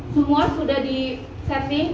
semua sudah disetting